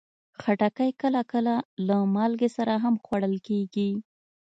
خټکی کله کله له مالګې سره هم خوړل کېږي.